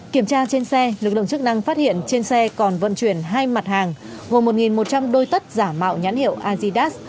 kiểm tra trên xe lực lượng chức năng phát hiện trên xe còn vận chuyển hai mặt hàng gồm một một trăm linh đôi tất giả mạo nhãn hiệu azidas